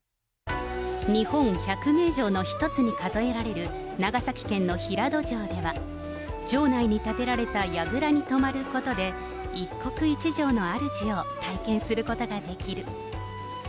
日本１００名城の１つに数えられる長崎県の平戸城では、城内に建てられたやぐらに泊まることで、一国一城のあるじを体験することができる。